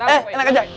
eh enak aja